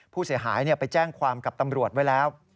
ผู้เสียหายไปแจ้งความกับตำรวจไว้แล้ว